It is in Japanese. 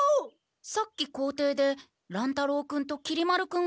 さっき校庭で乱太郎君ときり丸君が。